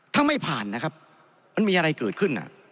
ถ้าไม่ผ่านนะครับมันมีอะไรเกิดขึ้น